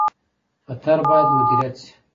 خطر باید مدیریت شي